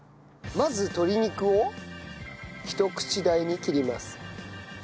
まず鶏肉をひと口大に切ります。